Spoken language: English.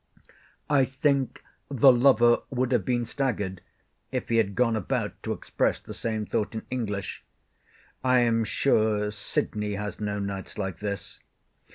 I think the Lover would have been staggered, if he had gone about to express the same thought in English. I am sure, Sydney has no nights like this.